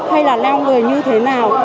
hay là leo người như thế nào